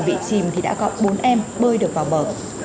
bị chìm thì đã có bốn em bơi được vào bờ